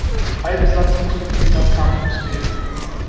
Drei Besatzungsmitglieder kamen ums Leben.